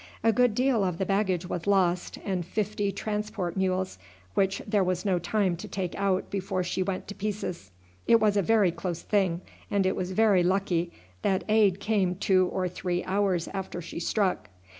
A good deal of the baggage was lost, and fifty transport mules, which there was no time to take out before she went to pieces. It was a very close thing, and it was very lucky that aid came two or three hours after she struck.